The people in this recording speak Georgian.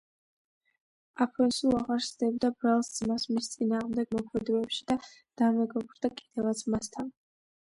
აფონსუ აღარ სდებდა ბრალს ძმას მის წინააღმდეგ მოქმედებებში და დამეგობრდა კიდევაც მასთან.